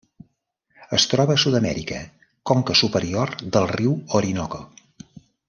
Es troba a Sud-amèrica: conca superior del riu Orinoco.